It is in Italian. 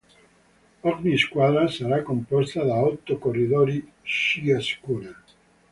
Ogni squadra sarà composta da otto corridori ciascuna.